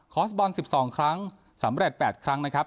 สบอล๑๒ครั้งสำเร็จ๘ครั้งนะครับ